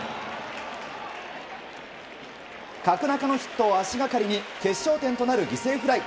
角中のヒットを足がかりに決勝点となる犠牲フライ。